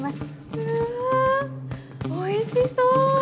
うわおいしそう！